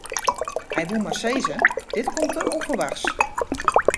Hy woe mar sizze: dit komt te ûnferwachts.